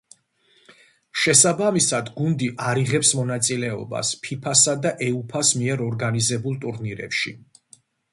შესაბამისად გუნდი არ იღებს მონაწილეობას ფიფასა და უეფას მიერ ორგანიზებულ ტურნირებში.